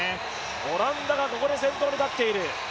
オランダが先頭に立っている。